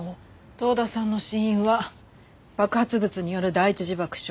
遠田さんの死因は爆発物による第一次爆傷。